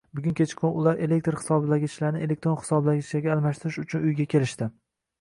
Bugun kechqurun ular elektr hisoblagichlarni elektron hisoblagichlarga almashtirish uchun uyga kelishdi